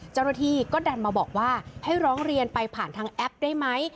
เจ้าหน้าที่ก็ดันมาบอกว่าให้ร้องเรียนไปผ่านทางแอปได้ไหม